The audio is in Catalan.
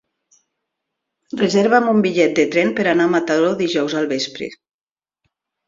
Reserva'm un bitllet de tren per anar a Mataró dijous al vespre.